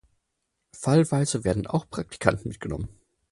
Fallweise werden auch Praktikanten mitgenommen.